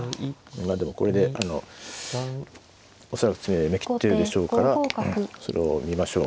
まあでもこれで恐らく詰みで読み切ってるでしょうからそれを見ましょう。